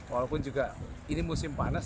walaupun ini musim panas